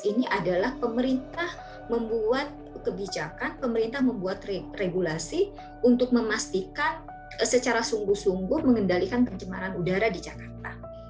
ini adalah pemerintah membuat kebijakan pemerintah membuat regulasi untuk memastikan secara sungguh sungguh mengendalikan pencemaran udara di jakarta